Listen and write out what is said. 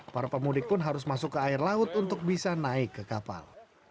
para pemudik pun harus masuk ke air laut untuk bisa naik ke kapal